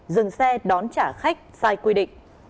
dừng xe đón trả khách sai quy định